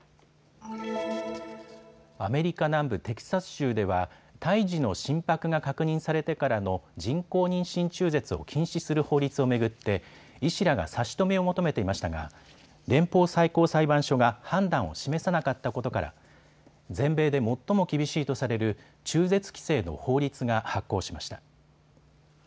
アメリカ南部テキサス州では胎児の心拍が確認されてからの人工妊娠中絶を禁止する法律を巡って医師らが差し止めを求めていましたが連邦最高裁判所が判断を示さなかったことから全米で最も厳しいとされる中絶規制の法律が発効しました。